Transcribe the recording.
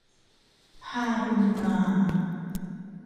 พาบุญมา